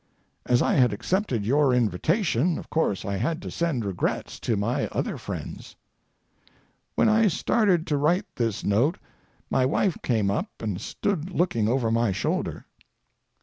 As I had accepted your invitation, of course I had to send regrets to my other friends. When I started to write this note my wife came up and stood looking over my shoulder.